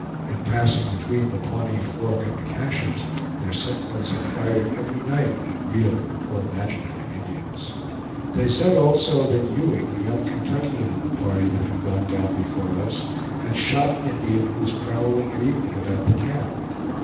In passing between the Pawnee Fork and the Caches, their sentinels had fired every night at real or imaginary Indians. They said also that Ewing, a young Kentuckian in the party that had gone down before us, had shot an Indian who was prowling at evening about the camp.